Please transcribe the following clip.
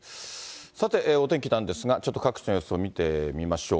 さて、お天気なんですが、ちょっと各地の様子を見てみましょう。